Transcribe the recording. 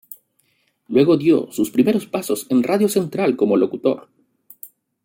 Luego dio sus primeros pasos en "Radio Central" como locutor.